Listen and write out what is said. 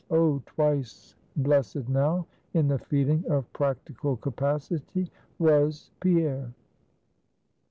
Oh, twice blessed now, in the feeling of practical capacity, was Pierre.